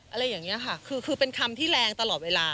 อะไรอย่างนี้ค่ะคือเป็นคำที่แรงตลอดเวลา